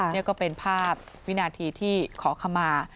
นี่ก็เป็นภาพวินาทีที่ขอขมา